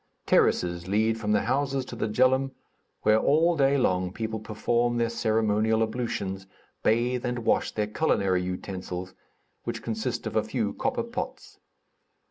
Terraces lead from the houses to the Djeloum, where all day long people perform their ceremonial ablutions, bathe and wash their culinary utensils, which consist of a few copper pots.